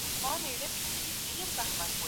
ګلاله